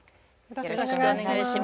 よろしくお願いします。